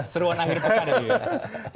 seruan akhir pekan